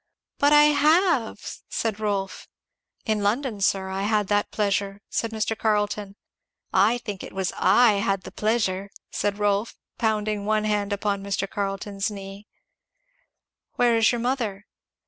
"But I have!" said Rolf. "In London, sir, I had that pleasure," said Mr. Carleton. "I think it was I had the pleasure," said Rolf, pounding one hand upon Mr. Carleton's knee. "Where is your mother?"